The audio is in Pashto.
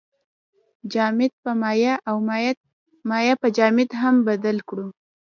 جامد په مایع او مایع په جامد هم بدل کړو.